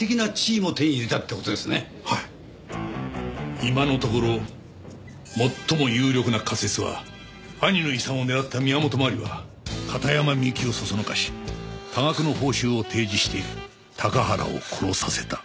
今のところ最も有力な仮説は兄の遺産を狙った宮本真理は片山みゆきをそそのかし多額の報酬を提示して高原を殺させた。